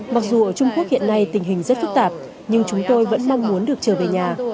mặc dù ở trung quốc hiện nay tình hình rất phức tạp nhưng chúng tôi vẫn mong muốn được trở về nhà